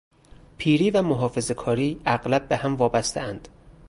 پیری و محافظهکاری اغلب به هم وابستهاند.